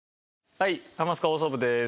はい『ハマスカ放送部』です。